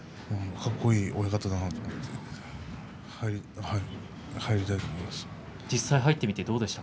かっこいい親方だと思っていました。